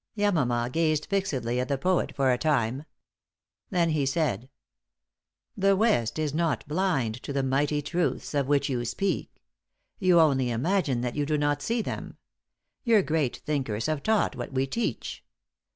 Yamama gazed fixedly at the poet for a time. Then he said: "The West is not blind to the mighty truths of which you speak. You only imagine that you do not see them. Your great thinkers have taught what we teach.